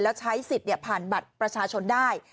แล้วใช้สิทธิ์ผ่านบัตรประชาชนได้